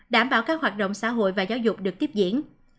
đảm bảo các hoạt động xã hội và giáo dục được tiếp diễn